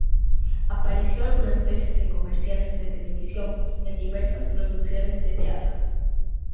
Apareció algunas veces en comerciales de televisión y en diversas producciones de teatro.